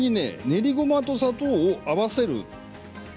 練りごまと砂糖を合わせる。